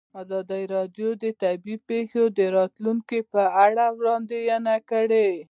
ازادي راډیو د طبیعي پېښې د راتلونکې په اړه وړاندوینې کړې.